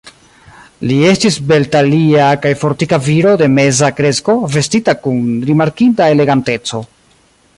Li estis beltalia kaj fortika viro de meza kresko, vestita kun rimarkinda eleganteco.